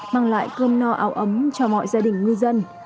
mang lại cơm no áo ấm cho mọi gia đình ngư dân